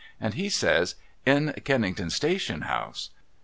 ' and he says ' In Kennington Station House.'